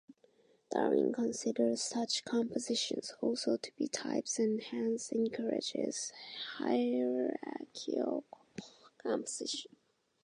Darwin considers such compositions also to be types and hence encourages hierarchical composition.